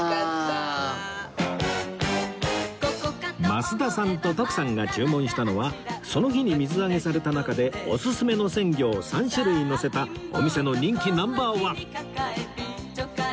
増田さんと徳さんが注文したのはその日に水揚げされた中でオススメの鮮魚を３種類のせたお店の人気ナンバーワン！